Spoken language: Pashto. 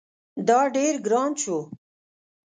دا ډیر ګران شو